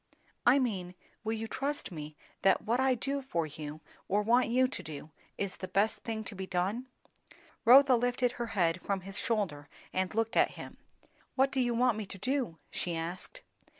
"I mean, will you trust me that what I do for you, or want you to do, is the best thing to be done?" Rotha lifted her head from his shoulder and looked at him. "What do you want me to do?" she asked.